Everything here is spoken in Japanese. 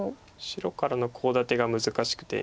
白からのコウ立てが難しくて。